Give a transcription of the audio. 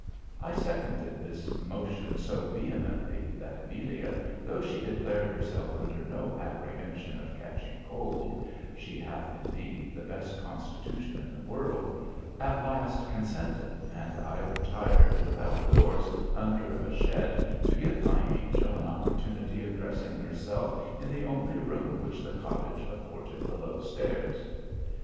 I seconded this motion so vehemently, that Amelia, though she declared herself under no apprehension of catching cold (she hath indeed the best constitution in the world), at last consented, and I retired without doors under a shed, to give my angel an opportunity of dressing herself in the only room which the cottage afforded belowstairs.